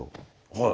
はい。